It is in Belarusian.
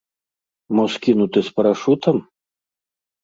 Мо скінуты з парашутам?